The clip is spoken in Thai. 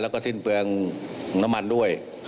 แล้วก็สิ้นเปลืองน้ำมันด้วย